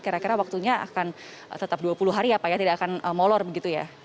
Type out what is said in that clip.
kira kira waktunya akan tetap dua puluh hari ya pak ya tidak akan molor begitu ya